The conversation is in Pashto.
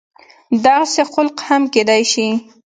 دغسې خلق هم کيدی شي